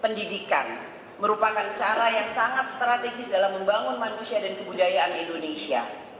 pendidikan merupakan cara yang sangat strategis dalam membangun manusia dan kebudayaan indonesia